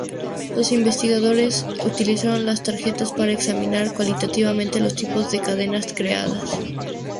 Los investigadores utilizaron las tarjetas para examinar cualitativamente los tipos de cadenas creadas.